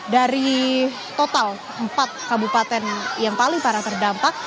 dari total empat kabupaten yang paling parah terdampak